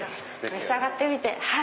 召し上がってみて。